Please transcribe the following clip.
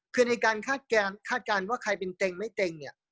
คือในการคาดการณ์ว่าใครเป็นเต็งไม่เต็งเนี่ย